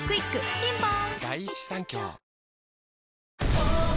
ピンポーン